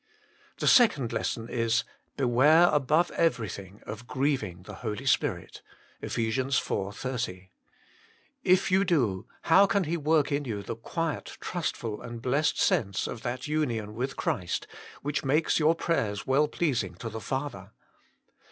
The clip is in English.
The second lesson is : Beware above everything of grieving the Holy Spirit (Eph. iv. 30). If you do, how can He work in you the quiet, trustful, and blessed sense of that union with Christ which makes your prayers well pleasing to the Father